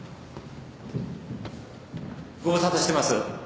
ご無沙汰してます。